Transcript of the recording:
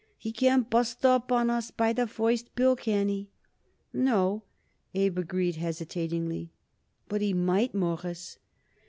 "He can't bust up on us by the first bill. Can he?" "No," Abe agreed hesitatingly, "but he might, Mawruss?"